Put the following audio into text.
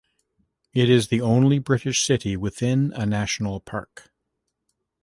It is the only British city within a national park.